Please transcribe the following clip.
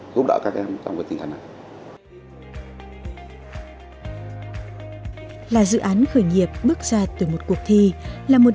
giúp đỡ các em trong cái tinh thần này là dự án khởi nghiệp bước ra từ một cuộc thi là một